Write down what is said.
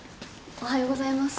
おはようございます。